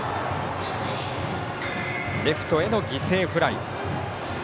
レフトへの犠牲フライ。